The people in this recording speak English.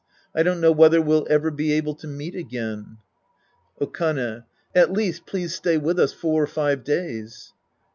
I don't know whether we'll ever be able to meet again. Okane. At least please stay with us four or five days.